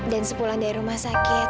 dan sepulang dari rumah sakit